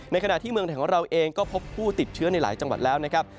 ขณะที่เมืองไทยของเราเองก็พบผู้ติดเชื้อในหลายจังหวัดแล้วนะครับ